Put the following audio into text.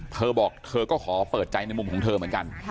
เธอบอกเธอก็ขอเปิดใจในมุมของเธอเหมือนกัน